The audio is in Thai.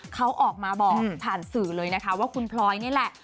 เขาออกมาบอกผ่านสื่อเลยนะคะว่าคุณพลอยนี่แหละ